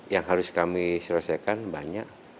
yang harus kami selesaikan banyak